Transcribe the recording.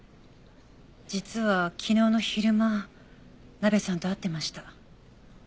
実は昨日の昼間ナベさんと会ってました。